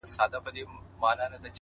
الله ته لاس پورته كړو ـ